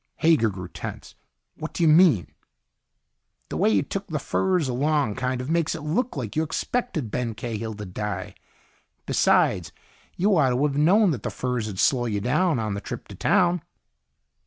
Hager grew tense. "What do you mean?" "The way you took the furs along kind of makes it look like you expected Ben Cahill to die. Besides, you ought to have known that the furs would slow you down on the trip to town."